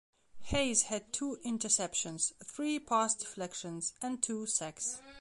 Hayes had two interceptions, three pass deflections, and two sacks.